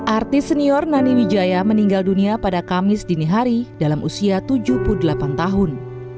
artis senior nani wijaya meninggal dunia pada kamis dini hari dalam usia tujuh puluh delapan tahun